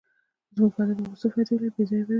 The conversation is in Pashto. زموږ واده به اوس څه فایده ولرې، بې ځایه به وي.